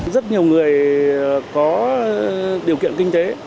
rất nhiều người có điều kiện kinh tế